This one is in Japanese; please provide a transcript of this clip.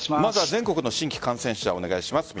全国の新規感染者、お願いします。